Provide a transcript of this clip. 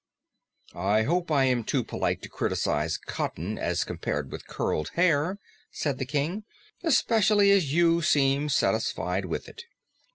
"I hope I am too polite to criticize cotton as compared with curled hair," said the King, "especially as you seem satisfied with it."